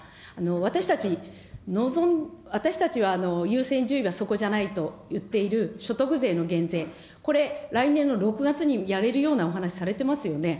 私たち、私たちは優先順位がそこじゃないと言っている所得税の減税、これ、来年の６月にやれるようなお話されてますよね。